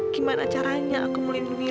gimana caranya aku melindungi